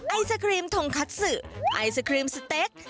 ไอศครีมทงคัดสือไอศครีมสเต็ก